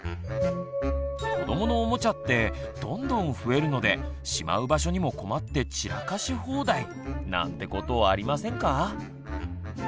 子どものおもちゃってどんどん増えるのでしまう場所にも困って散らかし放題。なんてことありませんか？